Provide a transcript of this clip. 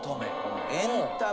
エンタメ。